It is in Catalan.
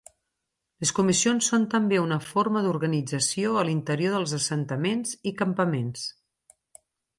Les comissions són també una forma d'organització a l'interior dels assentaments i campaments.